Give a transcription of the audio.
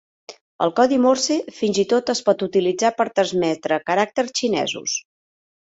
El codi Morse fins i tot es pot utilitzar per transmetre caràcters xinesos.